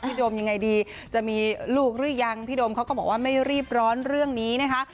โดมยังไงดีจะมีลูกหรือยังพี่โดมเขาก็บอกว่าไม่รีบร้อนเรื่องนี้นะคะ